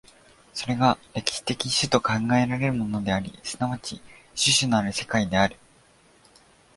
それが歴史的種と考えられるものであり、即ち種々なる社会である。